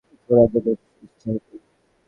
Fernando বেশ উচ্ছ্বসিত!